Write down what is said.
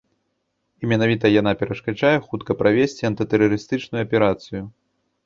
І менавіта яна перашкаджае хутка правесці антытэрарыстычную аперацыю.